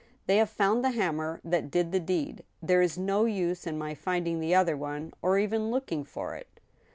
"They have found the hammer that did the deed.* There is no use in my finding the other one; or even looking for'it."